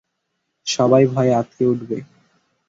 সবাই ভয়ে আঁতকে উঠবে।